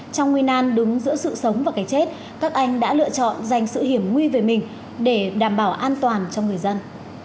trong nguy nan đứng giữa sự sống và cái chết các anh đã lựa chọn dành sự hiểm nguy về mình để đảm bảo an toàn cho người dân